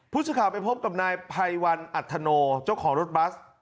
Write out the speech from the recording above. ผู้สื่อข่าวไปพบกับนายภัยวันอัธโนเจ้าของรถบัส